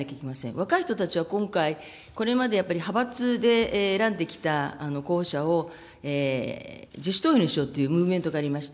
若い人たちは今回、これまでやっぱり派閥で選んできた候補者を、自主投票にしようというムーブメントがありました。